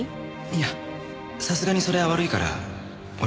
いやさすがにそれは悪いから俺が食うよ。